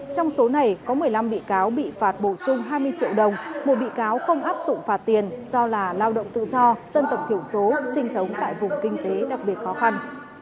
trong số này có một mươi năm bị cáo bị phạt bổ sung hai mươi triệu đồng một bị cáo không áp dụng phạt tiền do là lao động tự do dân tộc thiểu số sinh sống tại vùng kinh tế đặc biệt khó khăn